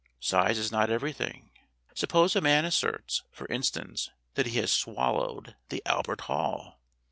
Size is not everything. Suppose a man asserts, for instance, that he has swallowed the Albert Hall.